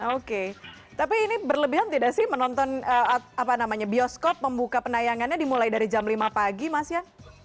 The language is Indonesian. oke tapi ini berlebihan tidak sih menonton bioskop membuka penayangannya dimulai dari jam lima pagi mas yan